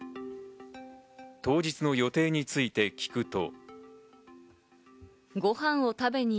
当日の予定について聞くと。